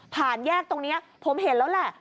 แยกตรงนี้ผมเห็นแล้วแหละ